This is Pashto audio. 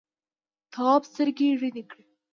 تواب سترګې رڼې کړې.